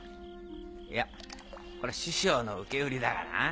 いやこれは師匠の受け売りだがな。